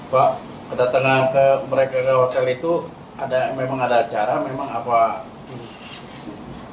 pak kedatangan mereka ke hotel itu memang ada acara memang apa